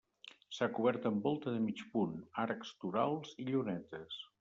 S'ha cobert amb volta de mig punt, arcs torals i llunetes.